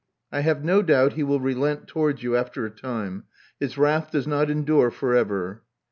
I have no doubt he will relent towanls you after a time: his wrath does not endure for ever.